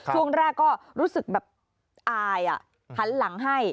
ช่วงแรกก็รู้สึกแบบอายหันหลังให้